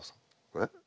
えっ？